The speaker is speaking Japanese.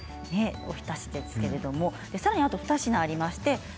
おひたしですけれどもさらにあと２品あります。